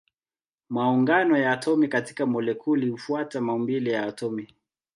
Maungano ya atomi katika molekuli hufuata maumbile ya atomi.